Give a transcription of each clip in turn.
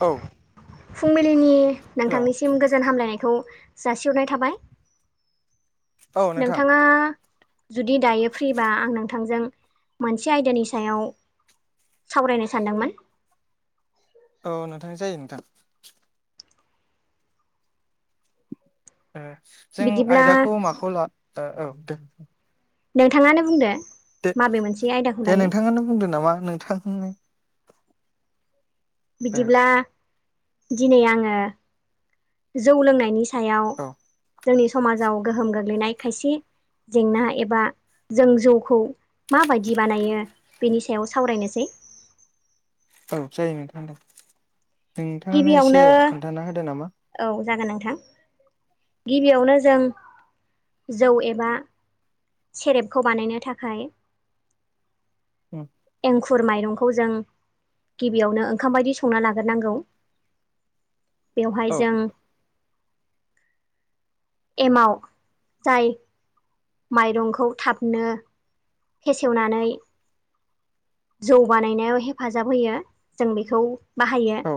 औ फुंबिलिनि हेलौ नोंथांनिसिम गोजोन हामलायनायखौ जासिहरनाय थाबाय। औ नोंथां नोंथाङा जुदि दायो फ्रिबा आं नोंथांजों मोनसे आयदानि सायाव सावरायनो सानदोंमोन। औ नोंथां जायो नोंथां। ओ जों बिदिब्ला आयदाखौ माखौ ला औ दे। नोंथाङानो बुंदो। दे माबे मोनसे आयदाखौ दे लायो नोंथांनो बुंदों नामा नोंथांनि ओ बिदिब्ला दिनै आङो जौ लोंनायनि सायाव औ जोंनि समाजाव गोहोम गोग्लैनाय खायसे जेंना एबा जों जौखौ माबायदि बानायो बेनि सायाव सावरायनोसै। औ जायो नोंथांदों नोंथाङानो गिबियावनो एसे खोन्थाना होदो नामा। औ जागोन नोंथां। गिबियावनो जों जौ एबा सेरेपखौ बानायनो थाखाय ओम एंखुर माइरंखौ जों गिबियावनो ओंखाम बायदि संना लाग्रोनांगौ। बेवहाय औ जों एमाव जाय माइरंखौ थाबनो फेसेवनानै जौ बानायनायाव हेफाजाब होयो जों बेखौ बाहायो औ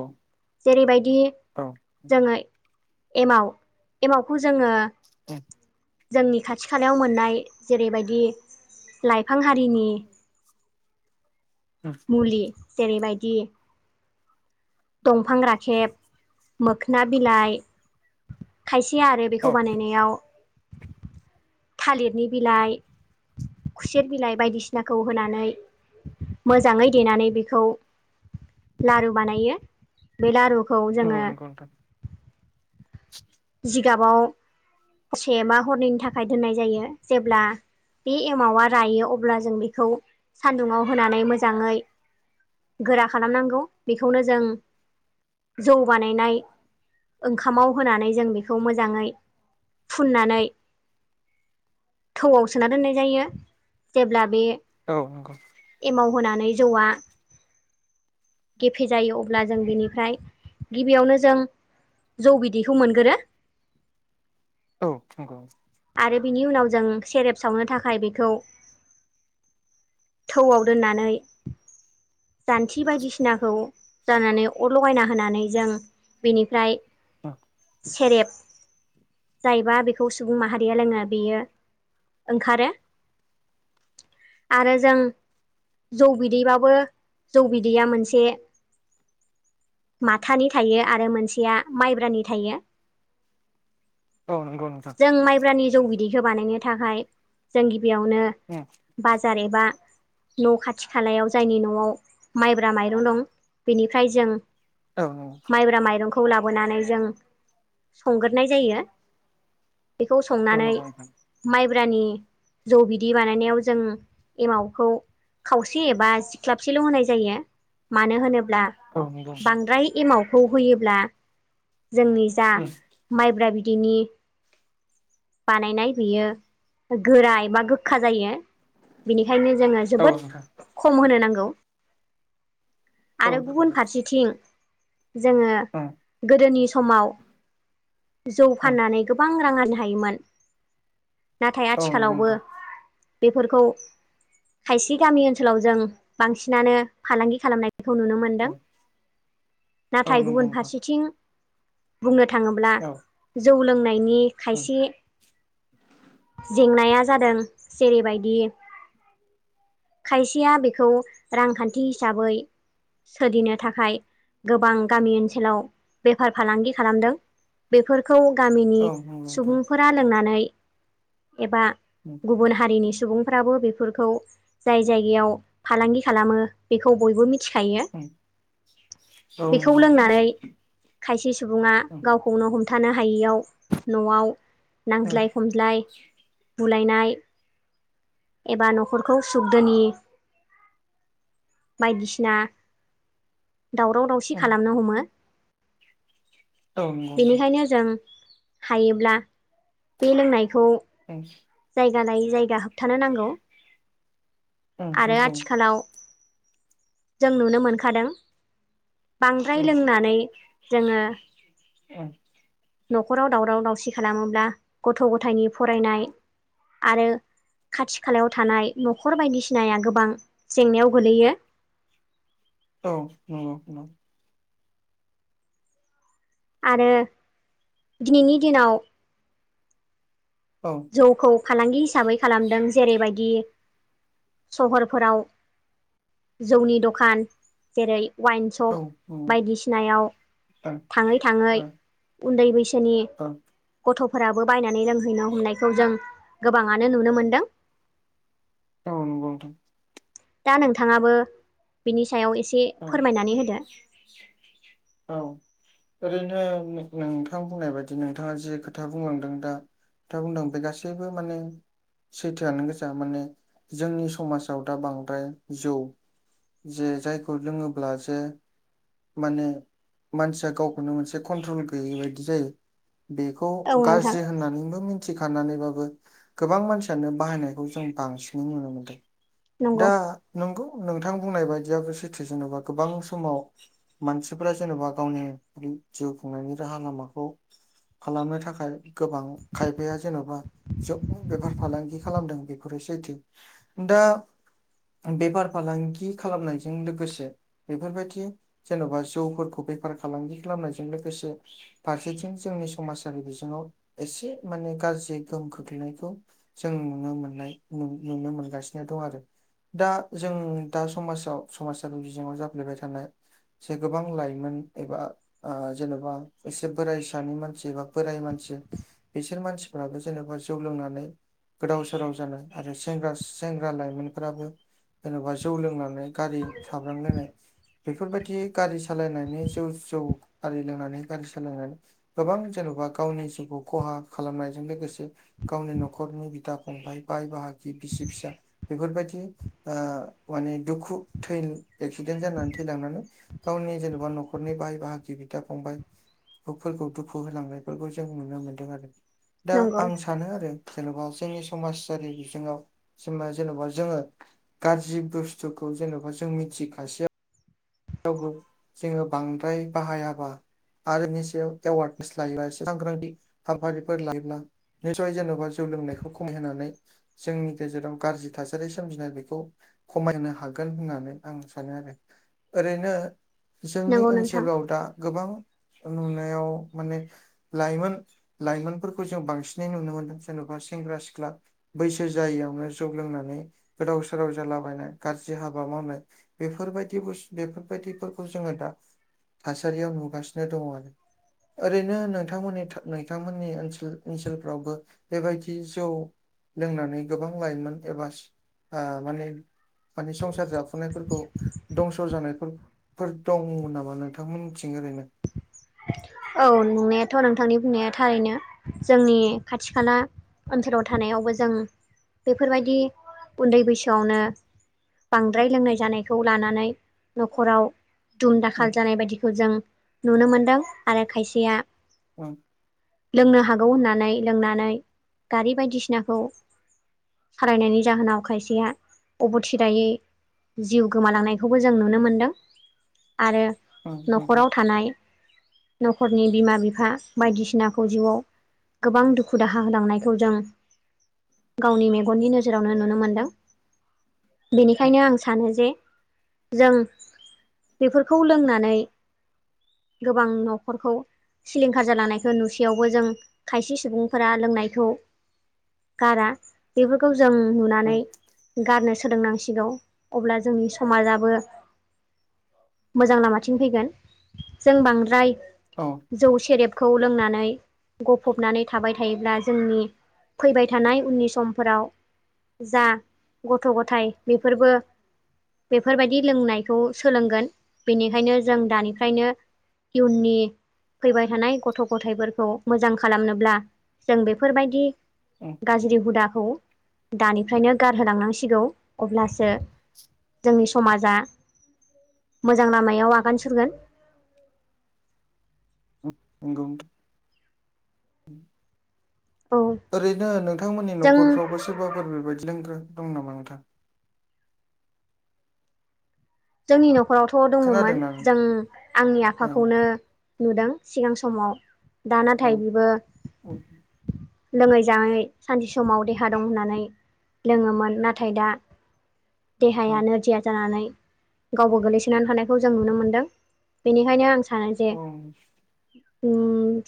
जेरैबायदि औ जोङो एमाव एमावखौ जोङो [inaudible] जोंनि खाथि खालायाव मोननाय जेरैबायदि लाइफां हारिनि उम मुलि जेरैबायदि दंफां राखेब मोखोना बिलाइ खायसे आरो औ बेखौ बानायनायाव थालिरनि बिलाइ। खुसेर बिलाइ बायदिसिनाखौ होनानै मोजाङै देनानै बेखौ लारु बानायो बे लारुखौ नंगौ जोङो नंगौ नोंथां जिगाबाव से बा हरनैनि थाखाय दोननाय जायो जेब्ला बे एमावा रायो अब्ला जों बेखौ सान्दुंङाव होनानै मोजाङै गोरा खालामनांगौ बेखौनो जों जौ बानायनाय ओंखामाव होनानै जों बेखौ मोजाङै फुननानै थौआव सोना दोननाय जायो जेब्ला बे औ नंगौ एमाव होनानै जौआ गेफे जायो अब्ला जों बिनिफ्राय गिबियावनो जों जौ बिदैखौ मोनगोरो औ नंगौ आरो बिनि उनाव जों सेरेप सावनो थाखाय बेखौ थौआव दोननानै जान्थि बायदिसिनाखौ जानानै अर लगायना होनानै जों बेनिफ्राय उम सेरेब जायोबा खौ सुबुं माहारिया लोङो बेयो ओंखारो आरो जों जौ बिदैबाबो जौ बिदैया मोनसे माथानि थायो आरो मोनसेया माइब्रानि थायो [inaudible] औ नंगौ नोंथां जों माइब्रानि जौ बिदैखौ बानायनो थाखाय जों गिबियावनो [unintelligible] बाजार एबा न' खाथि खालायाव जायनि न'आव माइब्रा माइरं दं बेनिफ्राय जों औ औ माइब्रा माइरंखौ लाबोनानै जों संगोरोनाय जायो बेखौ औ संनानै नंगौ नोंथां माइब्रानि जौ बिदै बानायनायाव जों एमावखौ खावसे एबा सिख्लाब खाथिल' होनाय जायो मानो होनोब्ला औ नंगौ नोंथां बांद्राय एमाव खौ होयोब्ला जोंनि जा उम माइब्रा बिदैनि बानायनाय बेयो गोराय बा गोखा जायो बिनिखायनो जोङो औ जोबोद नोंथां खम होनो नांगौ औ आरो उम गुबुन फारसेथिं जोङो गोदोनि समाव जौ उम फाननानै गोबां रां आरानो हायोमोन नाथाय औ नंगौ आथिखालावबो नोंथां बेफोरखौ खायसे गामि ओनसोलाव जों बांसिनानो फालांगि खालामनायखौ नुनो मोनो उम औ नाथाय नंगौ गुबुन नोंथां फारसेथिं बुंनो थाङोब्ला औ जौ लोंनायनि उम खायसे जेंनाया जादों जेरैबायदि खायसेया बेखौ रांखान्थि हिसाबै सोदिनो थाखाय गोबां गामि ओनसोलाव बेफार फालांगि खालामदों बेफोरखौ गामिनि औ नंगौ नोंथां सुबुंफोरा लोंनानै एबा ओम गुबुन हारिनि सुबुंफ्राबो बेफोरखौ जाय जायगायाव फालांगि खालामो बेखौ बयबो मिथि खायो उम औ नंगौ उम बेखौ लोंनानै उम खायसे सुबुंआ गाव सुंनो हमथानो हायैयाव न'आव उम नांज्लाय खमज्लाय बुलायनाय एबा न'खरखौ सुखदोनि बायदिसिना दावराव दावसि खालामनो हमो। औ नंगौ नोंथां उम उम नंगौ। उम औ नंगौ नंगौ। बेनिखायनो जों हायोब्ला बे लोंनायखौ उम जायगा लायै जायगा होबथानो नांगौ। औ आरो आथिखालाव जों नुनो मोनखादों। बांद्राय लोंनानै जोङो औ न'खराव दावराव दावसि खालामोब्ला गथ' गथायनि फरायनाय आरो खाथि खालायाव थानाय न'खर बायदिसिनाया गोबां जेंनायाव गोलैयो। औ नंगौ [unintelligible] आरो दिनैनि दिनाव औ जौखौ फालांगि हिसाबै खालामदों जेरैबायदि सहरफोराव जौनि दखान जेरै वाइन सप ओं ओं बायदिसिनायाव औ थाङै थाङै उन्दै बैसोनि गथ'फोराबो बायनानै रोंहैनो हमनायखौ जों गोबाङानो नुनो मोन्दों। औ नंगौ नोंथां। दा नोंथाङाबो बिनि सायाव एसे नोंथां औ फोरमायनानै होदो। औ ओरैनो नोंथां बुंनाय बायदि नोंथाङा जे खोथा बुंलांदों दा खोथा बुंदों बे गासैबो माने सैथोआनो गोजा माने जोंनि समाजाव दा बांद्राय जौ जे जायखौ लोङोब्ला जे माने मानसिया गावखौनो मोनसे कन्ट्रल गैयै बायदि जायो। बेखौ औ नोंथां गाज्रि होननानैबो मिन मिथि खानानैबाबो गोबां मानसियानो बाहायनायखौ जों बांसिनै नुनो मोनदों। दा नंगौ नंगौ नोंथां बुंनाय बायदियो सिथुवेसनावबा गोबां समाव मानसिफोरा जेनेबा गावनि जिउ खुंनायनि राहा लामाखौ खालामनो थाखाय गोबां खायफाया जेन'बा जोब बेफार फालांगि खालामदों बेफोरो सैथो दा बेफार फालांगि खालामनायजों लोग लोगोसे बेफोरबायदि जेन'बा जौफोरखौ बेफार फालांगि खालामनायजों लोगोसे फारसेथिं जोंनि समाजारि बिजोङाव एसे माने गाज्रि गोहोम खोख्लैनायखौ जों नुनो मोननाय नुनो मोनगासिनो दं आरो। दा जों दा समाजाव समाजारि बिजोङाव जाफ्लेबाय थानाय से गोबां लाइमोन एबा ओ जेन'बा एसे बोराइसानि मानसि‌बा बोराय मानसि बिसोर मानसिफ्राबो जेनेबा जौ लोंनानै गोदाव सोराव जानाय आरोें सेंग्रा लाइमोनफ्राबो जेन'बा जौ लोंनानै गारि साब्रांलायनाय बेफोरबायदि गारि सालायनानै जौ जौ आरि लोंनानै गारि सालायनानै गोबां जेन'बा गावनि जिउखौ खहा खालामनायजों लोगोसे गावनि न'खरनि बिदा फंबाय बाय बाहागि बिसि फिसा बेफोरबायदि ओ माने दुखु थै एक्सिडेन्ट जानानै थैलांनानै गावनि जेनेबा न'खरनि बाय बाहागि बिदा फंबाय फोरखौ दुखु होलांनायफोरखौ जों नुनो मोनदों आरो दा नंगौ आं सानो आरो जेनेबा जोंनि समाजारि बिजोङाव जेनबा जेनेबा जोङो गाज्रि बुस्थुखौ जेन'बा जों मिथिखसेयाव बो बांद्राय बाहायाबा आरो इनि सायाव एवार्डनेस लायोब एसे सांग्रांथि हाबफारिफोर लायोब्ला निसय जेन'बा जौ लोंनायखौ खमायहोनानै जोंनि गेजेराव गाज्रि थासारि सोमजिनाय बेखौ खमायनो हागोन होननानै आं सानो आरो ओरैनो जोंनि नंगौ नोंथां ओनसोलाव दा गोबां नुनायाव माने लाइमोन लाइमोनफोरखौ जों बांसिनै नुनो मोनदों जेन'बा सेंग्रा सिख्ला बैसो जायैयावनो जौ लोंनानै गोदाव सोराव जालाबायनाय गाज्रि हाबा मावनाय बेफोरबायदि बुस्थु बेफोरबायदिफोरखौ जोङो दा थासारियाव नुगासिनो दङ आरो ओरैनो नोंथांमोननि नोंथांमोननि ओनसोल ओनसोलफ्रावबो बेबायदि जौ लोंनानै गोबां लाइमोन एबा ओ माने माने संसार जाफुनायफोरखौ दंस फोरफोर दङ नामा नोंथांमोन मिथिं ओरैनो औ नंनायाथ' नोंथांनि बुंनाया थारैनो जोंनि खाथि खाला ओनसोलाव थानायावबो जों बेफोरबायदि उन्दै बैसोआवनो बांद्राय लोंनाय जानायखौ लानानै न'खराव दुम दाखाल उम जानाय बायदिखौ जों नुनो मोनदों आरो खायसेया ओं लोंनो हागौ होननानै लोंनानै गारि बायदिसिनाखौ सालायनायनि जाहोनाव खायसेया अबथिदायै जिउ गोमालांनायखौबो जों नुनो मोनदों आरो उम नोंथां न'खराव थानाय न'खरनि बिमा बिफा बायदिसिनाखौ जिउआव गोबां दुखु दाहा होलांनायखौ जों गावनि मेगननि नोजोरावनो नुनो मोनदों उम बेनिखायनो आं सानो जे जों बेफोरखौ लोंनानै गोबां न' न'खरखौ सिलिंखार जालांनायखौ नुसेयावबो जों खायसे सुबुंफोरा लोंनायखौ गारा बेफोरखौ जों नुनानै उम गारनो सोलोंनांसिगौ अब्ला जोंनि समाजाबो मोजां लामाथिं फैगोन जों बांद्राय औ जौ सेरेबखौ लोंनानै गफबनानै थाबाय थायोब्ला जोंनि फैबाय थानाय उननि समफोराव जा गथ' गथायाइ बेफोरबो बेफोरबायदि लोंनायखौ सोलोंगोन बेनिखायनो जों दानिफ्रायनो इयुन नि फैबाय थानाय गथ' गथायफोरखौ मोजां खालामनोब्ला जों बेफोरबायदि उम गाज्रि हुदाखौ दानिफ्रायनो गारहोलांनांसिगौ अब्लासो जोंनि समाजा मोजां लामायाव आगान सुरगोन एगौ औ ओरैनो नोंथांमोननि जों न'खरफ्रावबो सोरबाफोर बेबायदि लोंग्राो दं नामा नोंथां जोंनि न'खरावथ' दङमोन खोनादोंना नों? जों आंनि औ आफाखौनो नुदों सिगां समाव दा नाथाय औ बेबो उम लोङै जाङै सानसे समाव देहा दं होननानै लोङोमोन नाथाय दा देहाया नोरजिया जानानै गावबो गोग्लैसोनानै थानायखौ जों नुनो मोनदों बेनिखायनो आं सानो जे अ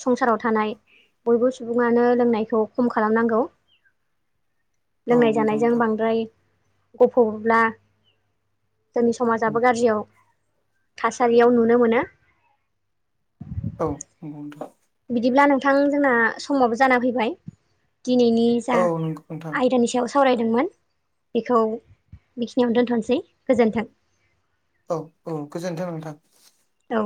संसाराव थानाय बयबो सुबुङानो लोंनायखौ खम खालामनांगौ औ लोंनाय नंगौ जानायजों नोंथां। बांद्राय गफ'ब्ला जोंनि समाजाबो उम गाज्रियाव थासारियाव नुनो मोनो औ नंगौला बिदिब्ला नोंथां जोंना समावो जाना फैबाय दिनैनि जा औ नंगौ नोंथां आयदानि सायाव सावरायदोंमोन बेखौ बेखिनियावनो दोनथ'नोसै गोजोन्थों औ औ गोजोन्थों नोंथां औ